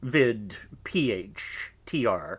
_vid. Ph. Tr.